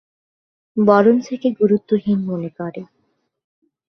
বরঞ্চ একে গুরুত্বহীন মনে করে।